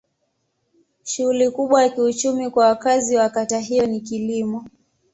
Shughuli kubwa ya kiuchumi kwa wakazi wa kata hiyo ni kilimo.